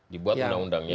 dibuat dengan undangnya